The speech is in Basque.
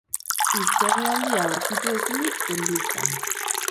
Hiztegi handia aurkitu ezinik genbiltzan.